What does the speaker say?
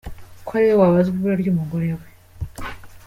ko ariwe wabazwa ibura ry’umugore we.